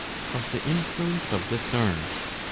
Of the Influence of the Stars.